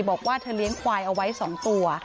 บอกว่าเธอเลี้ยงควายเอาไว้๒ตัว